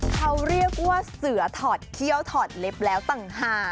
เขาเรียกว่าเสือถอดเขี้ยวถอดเล็บแล้วต่างหาก